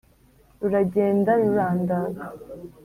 ruragenda rurandaga